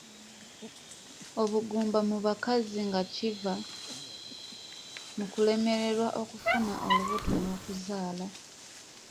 Obugumba mu bakazi nga kiva mu kulemererwa okufuna olubuto n’okuzaala.